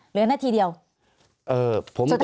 เหลือนาทีเดียวสุดท้ายหลั่นค่ะ